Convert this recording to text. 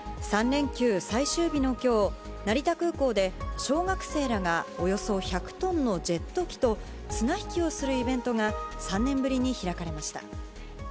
３連休最終日のきょう、成田空港で小学生らがおよそ１００トンのジェット機と綱引きをするイベントが３年ぶりに開かれました。